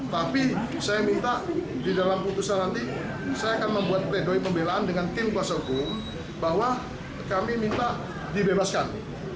tapi saya minta di dalam putusan nanti saya akan membuat pledoi pembelaan dengan tim kuasa hukum bahwa kami minta dibebaskan